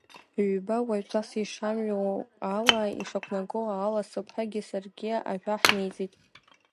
Ҩба, уаҩҵас, ишамҩоу ала, ишақәнагоу ала сыԥҳагьы саргьы ажәа ҳниҵеит.